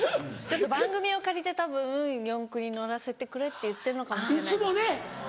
番組を借りてたぶん四駆に乗らせてくれって言ってるのかもしれないです。